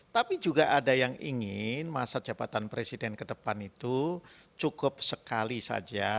tapi juga ada yang ingin masa jabatan presiden ke depan itu cukup sekali saja